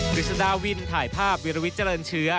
กฤษฎาวินถ่ายภาพวิรวิจรรย์เชื้อ